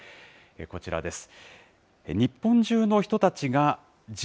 こちらです。